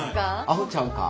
「あほちゃうか」。